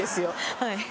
はい。